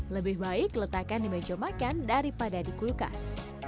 lebih baik letakkan di meja makan daripada di kulkas